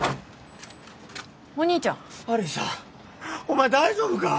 お前大丈夫か！？